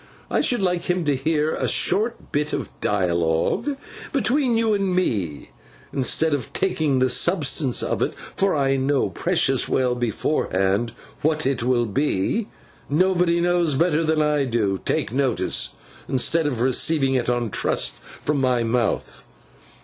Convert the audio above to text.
I should like him to hear a short bit of dialogue between you and me, instead of taking the substance of it—for I know precious well, beforehand, what it will be; nobody knows better than I do, take notice!—instead of receiving it on trust from my mouth.